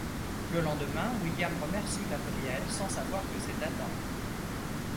Le lendemain, William remercie Gabriel sans savoir que c'est Adam.